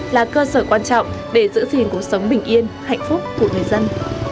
là cơ sở quan trọng để giữ gìn cuộc sống bình yên hạnh phúc của người dân